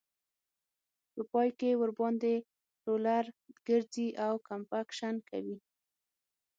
په پای کې ورباندې رولر ګرځي او کمپکشن کوي